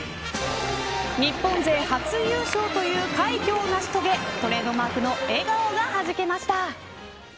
日本勢初優勝という快挙を成し遂げトレードマークの笑顔がはじけました。